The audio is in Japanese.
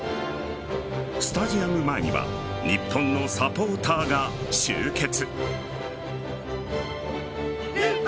スタジアム前には日本のサポーターが集結。